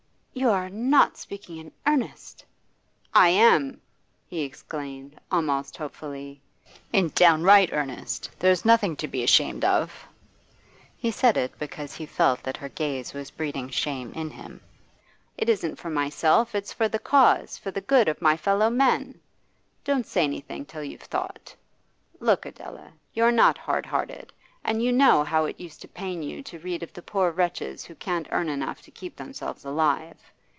'You are not speaking in earnest?' 'I am!' he exclaimed, almost hopefully. 'In downright earnest. There's nothing to be ashamed of.' He said it because he felt that her gaze was breeding shame in him. 'It isn't for myself, it's for the cause, for the good of my fellowmen. Don't say anything till you've thought. Look, Adela, you're not hardhearted, and you know how it used to pain you to read of the poor wretches who can't earn enough to keep themselves alive.